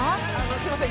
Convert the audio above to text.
すみません